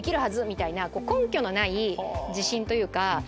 みたいな根拠のない自信というか。